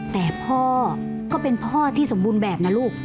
แต่พ่อก็เป็นพ่อที่สมบูรณ์แบบนะลูก